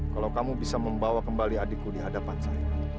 kalau kamu bisa membawa kembali adikku di hadapan saya